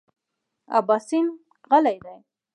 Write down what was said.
اباسین غلی دی .